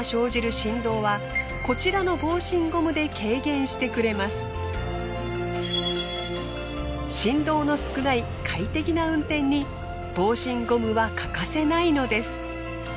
振動の少ない快適な運転に防振ゴムは欠かせないのです。